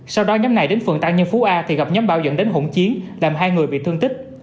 sau đó nhóm này đến phường tăng nhân phú a thì gặp nhóm bao dẫn đến hỗn chiến làm hai người bị thương tích